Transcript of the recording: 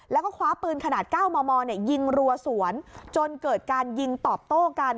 แล้วก็คว้าปืนขนาด๙มมยิงรัวสวนจนเกิดการยิงตอบโต้กัน